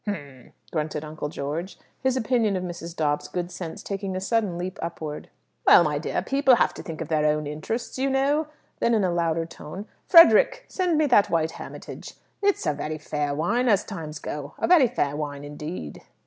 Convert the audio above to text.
"H'm!" grunted Uncle George, his opinion of Mrs. Dobbs's good sense taking a sudden leap upward. "Well, my dear, people have to think of their own interests, you know." Then, in a louder tone, "Frederick, send me that white Hermitage. It's a very fair wine, as times go a very fair wine indeed."